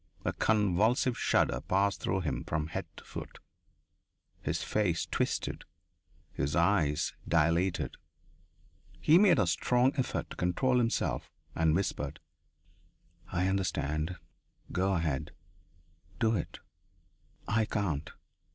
A convulsive shudder passed through him from head to foot; his face twisted; his eyes dilated. He made a strong effort to control himself and whispered: "I understand. Go ahead. Do it. I can't.